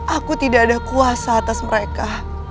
aku tidak ada kuasa atas mereka